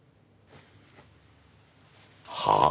はあ？